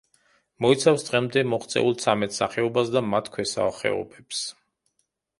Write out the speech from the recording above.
მოიცავს დღემდე მოღწეულ ცამეტ სახეობას და მათ ქვესახეობებს.